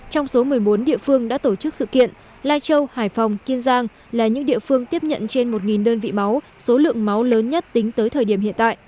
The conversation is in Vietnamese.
trong số một mươi bốn địa phương đã tổ chức sự kiện lai châu hải phòng kiên giang là những địa phương tiếp nhận trên một đơn vị máu số lượng máu lớn nhất tính tới thời điểm hiện tại